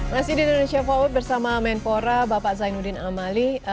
masih di indonesia forward bersama menpora bapak zainuddin amali